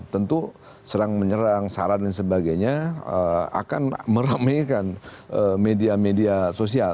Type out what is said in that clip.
tentu serang menyerang saran dan sebagainya akan meremehkan media media sosial